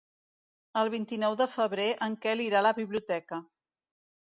El vint-i-nou de febrer en Quel irà a la biblioteca.